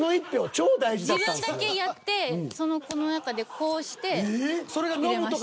自分だけやってこの中でこうして入れました。